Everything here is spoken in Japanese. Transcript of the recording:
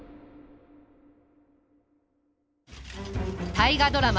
大河ドラマ